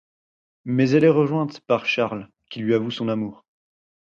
Mais elle est rejointe par Charles, qui lui avoue son amour.